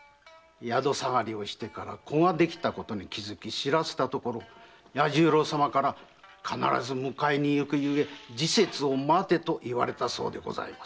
宿下がりをしてから子ができたことに気づき知らせたところ弥十郎様から必ず迎えに行くゆえ時節を待てと言われたそうです。